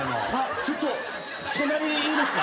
ちょっと隣いいですか？